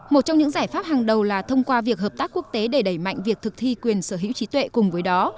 một trong những giải pháp hàng đầu là thông qua việc hợp tác quốc tế để đẩy mạnh việc thực thi quyền sở hữu trí tuệ cùng với đó